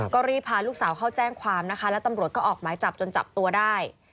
ก็รีบพาลูกสาวเข้าแจ้งความนะคะแล้วตำรวจก็ออกหมายจับจนจับตัวได้